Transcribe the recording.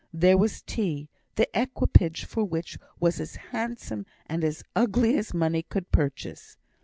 There was tea, the equipage for which was as handsome and as ugly as money could purchase.